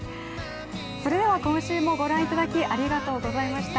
それでは今週もご覧いただきありがとうございました。